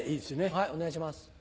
はいお願いします。